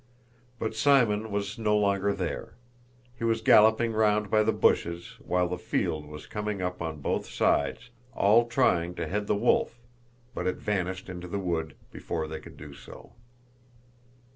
But Simon was no longer there. He was galloping round by the bushes while the field was coming up on both sides, all trying to head the wolf, but it vanished into the wood before they could do so.